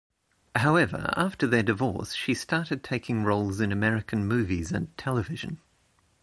However, after their divorce, she started taking roles in American movies and television.